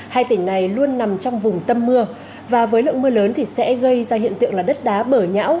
hai tỉnh này luôn nằm trong vùng tâm mưa và với lượng mưa lớn thì sẽ gây ra hiện tượng là đất đá bở nhão